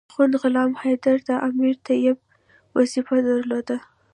اخند غلام حیدر د امیر طبيب وظیفه درلوده.